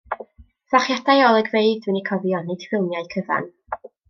Fflachiadau o olygfeydd dwi'n eu cofio, nid ffilmiau cyfan.